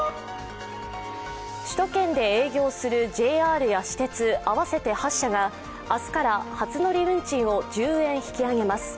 首都圏で営業するＪＲや私鉄合わせて８社が明日から初乗り運賃を１０円引き上げます。